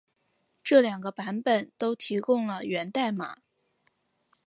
这两个版本都提供了源代码。